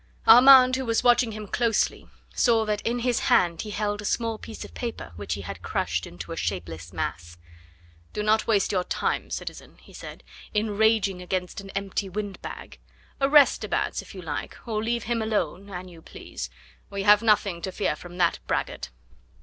Armand, who was watching him closely, saw that in his hand he held a small piece of paper, which he had crushed into a shapeless mass. "Do not waste your time, citizen," he said, "in raging against an empty wind bag. Arrest de Batz if you like, or leave him alone an you please we have nothing to fear from that braggart."